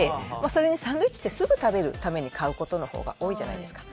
それに、サンドイッチってすぐ食べるために買うことの方が多いじゃないですか。